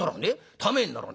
『ためにならねえ』